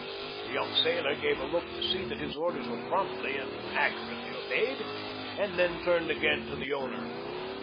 The young sailor gave a look to see that his orders were promptly and accurately obeyed, and then turned again to the owner.